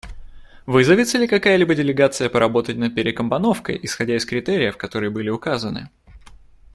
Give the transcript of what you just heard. Вызовется ли какая-либо делегация поработать над перекомпоновкой исходя из критериев, которые были указаны?